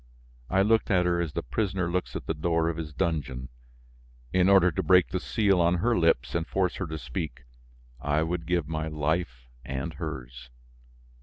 I looked at her as the prisoner looks at the door of his dungeon. In order to break the seal on her lips and force her to speak, I would give my life and hers.